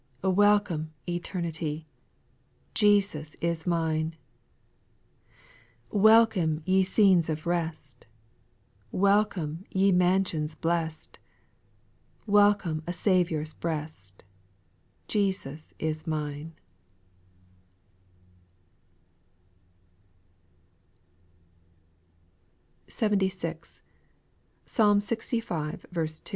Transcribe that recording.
Welcome eternity, Jesus is mine I "Welcome ye scenes of rest, Welcome ye mansions blest, Welcome a Saviour's breast, Jesus is mine I 76. PMlm Ixv. 2. 1.